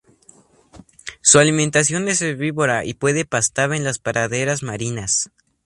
Su alimentación es herbívora y puede pastar en las praderas marinas.